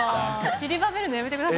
散りばめるのやめてください。